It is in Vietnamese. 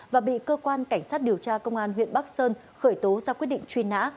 và bị cơ quan cảnh sát điều tra công an huyện bắc sơn khởi tố ra quyết định truy nã